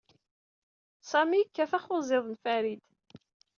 Sami yekkat axuzziḍ n Farid.